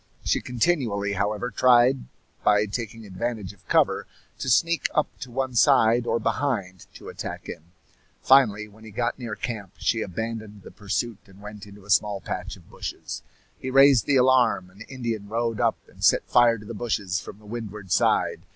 She continually, however, tried, by taking advantage of cover, to sneak up to one side, or behind, to attack him. Finally, when he got near camp, she abandoned the pursuit and went into a small patch of bushes. He raised the alarm; an Indian rode up and set fire to the bushes from the windward side.